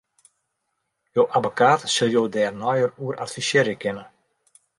Jo abbekaat sil jo dêr neier oer advisearje kinne.